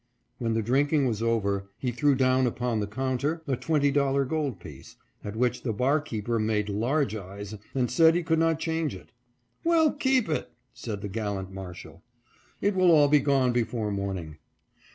When the drinking was over he threw down upon the counter a twenty dollar gold piece, at which the barkeeper made large eyes and said he could not change it. " Well, keep it," said the gallant Marshall ;" it will all be gone before morning."